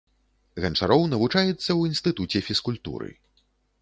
Ганчароў навучаецца ў інстытуце фізкультуры.